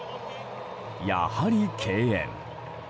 やはり敬遠。